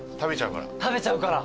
食べちゃうから。